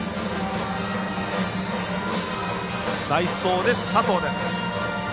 代走で佐藤です。